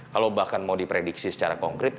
kalau bahkan mau diprediksi secara konkret